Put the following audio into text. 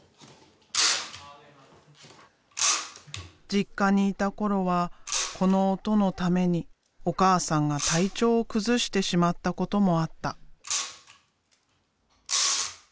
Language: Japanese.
実家にいた頃はこの音のためにお母さんが体調を崩してしまったこともあった。